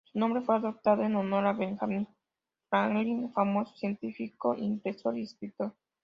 Su nombre fue adoptado en honor a Benjamin Franklin, famoso científico, impresor y escritor.